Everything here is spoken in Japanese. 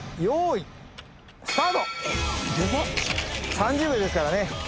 ３０秒ですからね